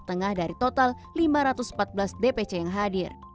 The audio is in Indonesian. tengah dari total lima ratus empat belas dpc yang hadir